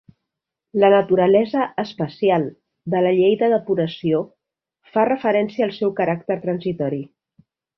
La naturalesa "especial" de la llei de depuració fa referència al seu caràcter transitori.